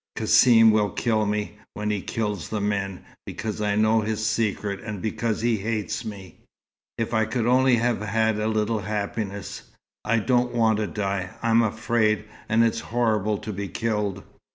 "Cassim will kill me, when he kills the men, because I know his secret and because he hates me. If I could only have had a little happiness! I don't want to die. I'm afraid. And it's horrible to be killed."